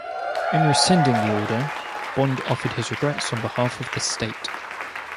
In rescinding the order, Bond offered his regrets on behalf of the state.